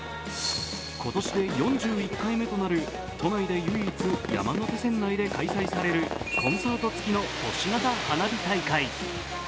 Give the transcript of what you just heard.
今年で４１回目となる都内で唯一、山手線内で開催されるコンサート付きの都市型花火大会。